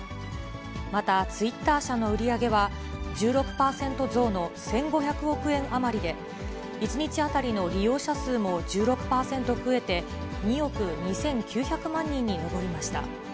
また、ツイッター社の売り上げは、１６％増の１５００億円余りで、１日当たりの利用者数も１６％増えて、２億２９００万人に上りました。